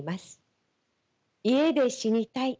「家で死にたい」。